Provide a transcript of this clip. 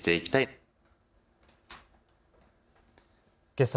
けさ